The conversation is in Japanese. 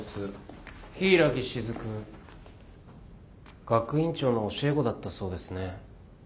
柊木雫学院長の教え子だったそうですね。